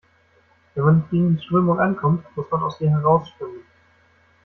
Wenn man nicht gegen die Strömung ankommt, muss man aus ihr heraus schwimmen.